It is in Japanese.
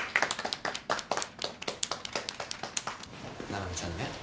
七海ちゃんね。